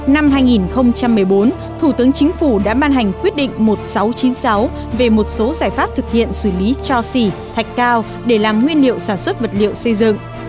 năm hai nghìn một mươi bốn thủ tướng chính phủ đã ban hành quyết định một nghìn sáu trăm chín mươi sáu về một số giải pháp thực hiện xử lý cho xỉ thạch cao để làm nguyên liệu sản xuất vật liệu xây dựng